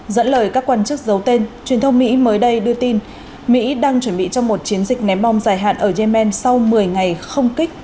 dẫn lời các quan chức giấu tên truyền thông mỹ mới đây đưa tin mỹ đang chuẩn bị cho một chiến dịch ném bom dài hạn ở yemen sau một mươi ngày không kích